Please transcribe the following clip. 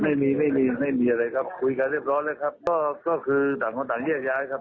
ไม่มีอะไรครับคุยกันเรียบร้อยแล้วครับ